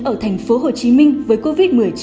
ở thành phố hồ chí minh với covid một mươi chín